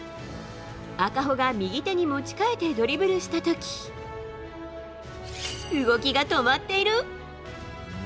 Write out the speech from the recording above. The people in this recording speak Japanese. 赤穂が右手に持ち替えてドリブルした時動きが止まっている。